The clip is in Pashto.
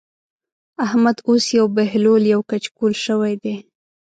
احمد اوس يو بهلول يو کچکول شوی دی.